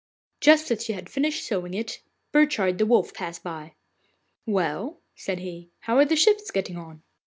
Just as she had finished sewing it, Burchard the Wolf passed by. 'Well,' said he, 'how are the shifts getting on?